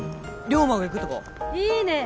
「竜馬がゆく」とかは？いいね！